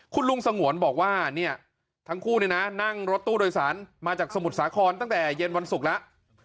คุณลุงสงวนบอกว่าเนี่ยทั้งคู่เนี่ยนะนั่งรถตู้โดยสารมาจากสมุทรสาครตั้งแต่เย็นวันศุกร์แล้ว